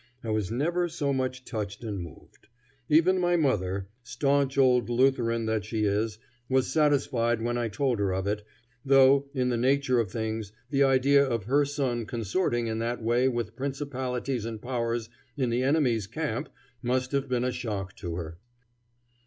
I was never so much touched and moved. Even my mother, stanch old Lutheran that she is, was satisfied when I told her of it, though, in the nature of things, the idea of her son consorting in that way with principalities and powers in the enemy's camp must have been a shock to her.